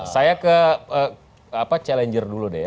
saya ke challenger dulu deh ya